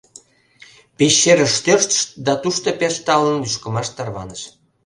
Пещерыш тӧрштышт да тушто пеш талын лӱшкымаш тарваныш.